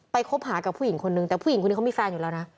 คบหากับผู้หญิงคนนึงแต่ผู้หญิงคนนี้เขามีแฟนอยู่แล้วนะ